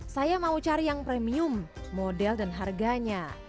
saya mau cari yang premium model dan harganya